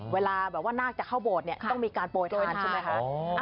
เวลาแบบว่านาคจะเข้าโบสถเนี่ยต้องมีการโปรยทานใช่ไหมคะ